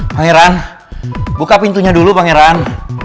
pangeran buka pintunya dulu pangeran